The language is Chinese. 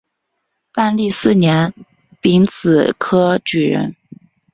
万历四年丙子科举人。